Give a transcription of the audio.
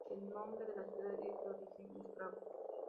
El nombre de la ciudad es de origen eslavo.